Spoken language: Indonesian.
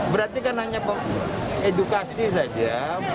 berarti kan hanya edukasi saja